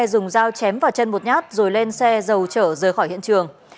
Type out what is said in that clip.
dùng dao chém vào chân một nhát rồi lên xe dầu trở rời khỏi hiện trường